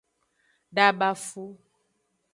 Dabafu.